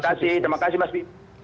terima kasih terima kasih mas bi